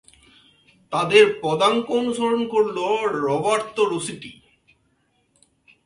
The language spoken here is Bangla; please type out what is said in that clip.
তাদের পদাঙ্ক অনুসরণ করল রবার্তো রুসিটি।